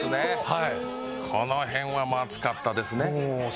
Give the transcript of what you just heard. この辺はもう熱かったですね。